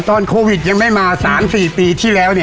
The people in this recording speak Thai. ตอนโควิดยังไม่มา๓๔ปีที่แล้ว